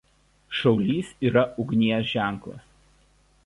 Šaulys yra Ugnies ženklas.